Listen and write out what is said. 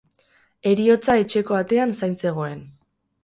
Heriotza etxeko atean zain zegoen.